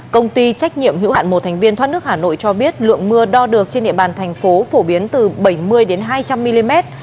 công ty trách nhiệm hữu hạn một thành viên thoát nước hà nội cho biết lượng mưa đo được trên địa bàn thành phố phổ biến từ bảy mươi hai trăm linh mm